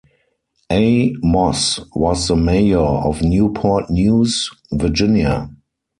A. Moss, was the mayor of Newport News, Virginia.